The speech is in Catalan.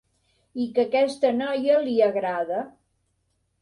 I que aquesta noia li agrada.